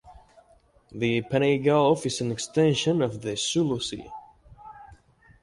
The Panay Gulf is an extension of the Sulu Sea.